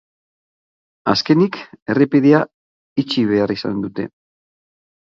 Azkenik, errepidea itxi behar izan dute.